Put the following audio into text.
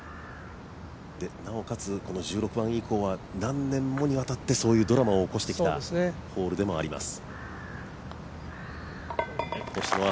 なおかつ１６番以降は何年にもわたってそういうドラマを起こしてきたホールでもあります。